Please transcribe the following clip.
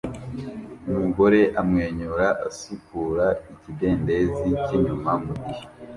Umugore amwenyura asukura ikidendezi cyinyuma mugihe